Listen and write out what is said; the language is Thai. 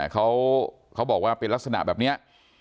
เขาบอกว่าเป็นลักษณะแบบนี้